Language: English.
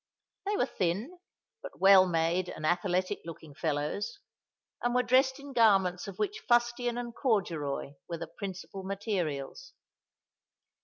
They were thin, but well made and athletic looking fellows; and were dressed in garments of which fustian and corduroy were the principal materials.